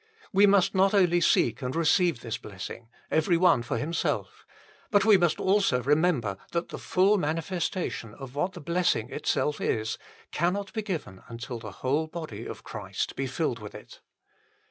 We must not only seek and receive this blessing, every one for himself, but we must also remember that the full manifestation of what the blessing itself is, cannot be given until the whole body of Christ be filled with it.